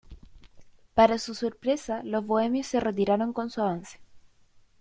Para su sorpresa, los bohemios se retiraron con su avance.